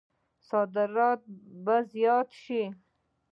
صادرات به زیات شي؟